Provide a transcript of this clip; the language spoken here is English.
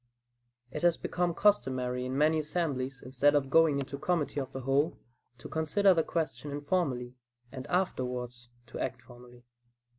It has become customary in many assemblies, instead of going into committee of the whole, to consider the question "informally," and afterwards to act "formally."